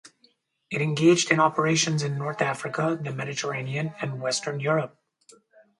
It engaged in operations in North Africa, the Mediterranean, and Western Europe.